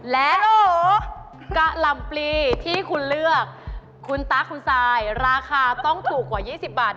และโหกะหล่ำปลีที่คุณเลือกคุณตั๊กคุณซายราคาต้องถูกกว่า๒๐บาท